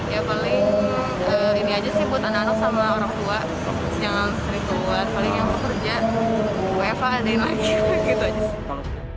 ya paling ini aja sih buat anak anak sama orang tua jangan sering keluar paling yang bekerja wfa ngadain lagi gitu aja sih